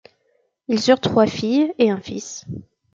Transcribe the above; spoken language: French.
Ils eurent trois filles et un fils.